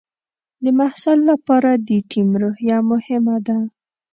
د محصل لپاره د ټیم روحیه مهمه ده.